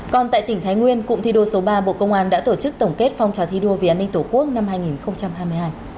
còn tại tỉnh thái nguyên cụm thi đua số ba bộ công an đã tổ chức tổng kết phong trào thi đua vì an ninh tổ quốc năm hai nghìn hai mươi hai